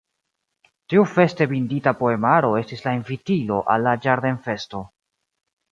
Tiu feste bindita poemaro estis la invitilo al la ĝardenfesto.